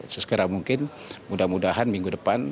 sesegera mungkin mudah mudahan minggu depan